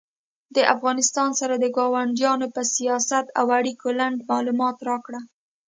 د افغانستان سره د کاونډیانو په سیاست او اړیکو لنډ معلومات راکړه